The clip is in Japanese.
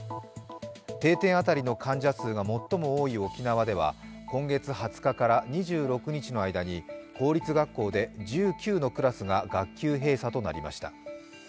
定点当たりの患者数が最も多い沖縄では今月２０日から２８日の間に公立学校で１９のクラスが学級閉鎖となりました。